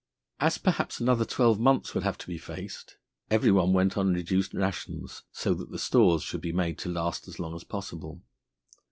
As perhaps another twelve months would have to be faced, every one went on reduced rations, so that the stores should be made to last as long as possible.